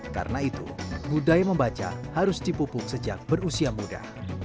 karena itu budaya membaca harus dipupuk sejak berusia muda